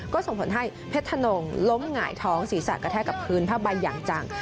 ก็ส่งผลให้เพชรธนงล้มหงายท้องศีรษะกระแทกกับพื้นผ้าใบอย่างจัง